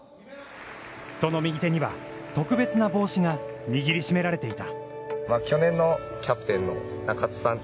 その右手には特別な帽子が握り締められていた。